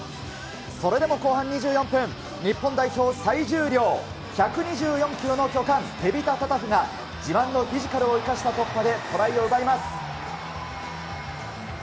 それでも後半２４分、日本代表、最重量、１２４キロの巨漢、テビタ・タタフが自慢のフィジカルを突破したトライを奪います。